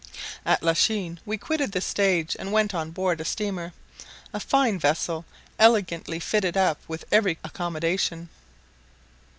At Lachine we quitted the stage and went on board a steamer, a fine vessel elegantly fitted up with every accommodation.